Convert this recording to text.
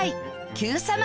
『Ｑさま！！』